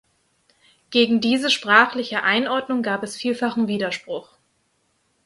Gegen diese sprachliche Einordnung gab es vielfachen Widerspruch.